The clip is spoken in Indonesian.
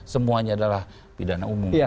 semuanya adalah pidana umum